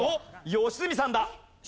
良純さんだ。